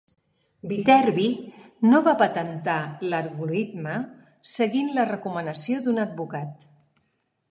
Viterbi no va patentar l'algoritme seguint la recomanació d'un advocat.